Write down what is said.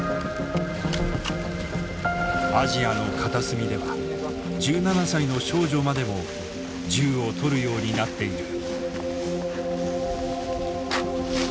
アジアの片隅では１７歳の少女までも銃を取るようになっている。